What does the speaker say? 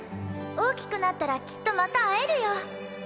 大きくなったらきっとまた会えるよ。